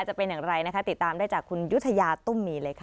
จะเป็นอย่างไรนะคะติดตามได้จากคุณยุธยาตุ้มมีเลยค่ะ